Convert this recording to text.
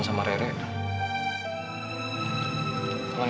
masih henyat yang lebih sakit sekarang